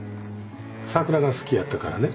桜が好きやったからね